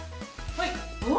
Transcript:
はい！